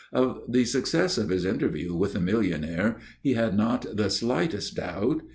Of the success of his interview with the millionaire he had not the slightest doubt.